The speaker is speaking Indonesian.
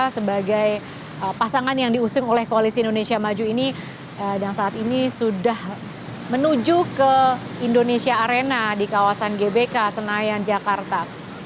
sebagai pasangan yang diusung oleh koalisi indonesia maju ini dan saat ini sudah menuju ke indonesia arena di kawasan gbk senayan jakarta